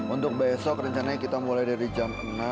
untuk besok rencananya kita mulai dari jam enam